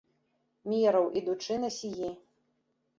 Мераў, ідучы, на сігі.